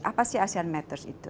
apa sih asean matters itu